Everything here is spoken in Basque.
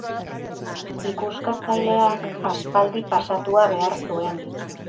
Ikuskatzaileak aspaldi pasatua behar zuen.